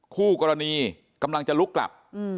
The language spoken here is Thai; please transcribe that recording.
คู่กรณีกำลังจะลุกกลับ